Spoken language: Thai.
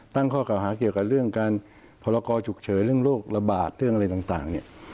ตั้งข้อเก่าหาเกี่ยวกับเรื่องการพรกรฉุกเฉินเรื่องโรคระบาดเรื่องอะไรต่างเนี่ย